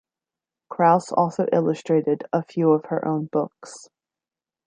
Krauss also illustrated a few of her own books.